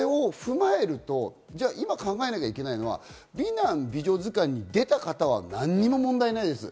これを踏まえると、今考えなきゃいけないのは美男・美女図鑑に出た方は何も問題ないです。